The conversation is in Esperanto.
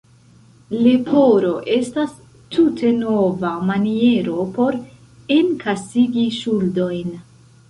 Leporo estas tute nova maniero por enkasigi ŝuldojn.